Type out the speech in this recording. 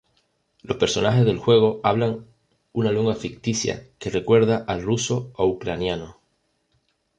Los personajes del juego hablan una lengua ficticia que recuerda al ruso o ucraniano.